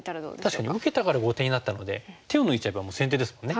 確かに受けたから後手になったので手を抜いちゃえば先手ですもんね。